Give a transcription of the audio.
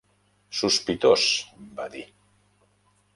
"Sospitós", va dir.